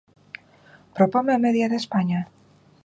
¿Proponme a media de España?